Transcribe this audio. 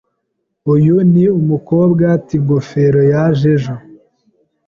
Uyu ni umukobwa tingofero yaje ejo.